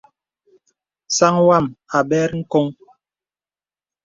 Sāŋ wam a bɛr ŋ̀koŋ.